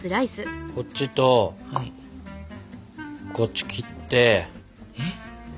こっちとこっち切って。